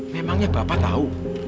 memangnya bapak tau